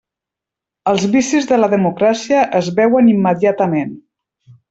Els vicis de la democràcia es veuen immediatament.